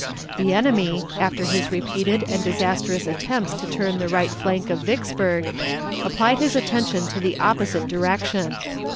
The enemy, after his repeated and disastrous attempts to turn the right flank of Vicksburg, applied his attention to the opposite direction.